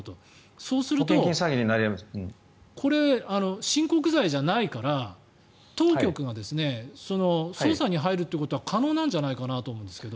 そうするとこれ、親告罪じゃないから当局が捜査に入るっていうことは可能なんじゃないかなって思うんですが。